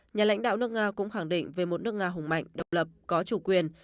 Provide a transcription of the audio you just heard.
nhà lãnh đạo nước nga cũng khẳng định về một nước nga hùng mạnh độc lập có chủ quyền